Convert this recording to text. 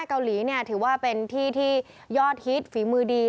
เกาหลีเนี่ยถือว่าเป็นที่ที่ยอดฮิตฝีมือดี